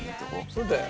そうだよ。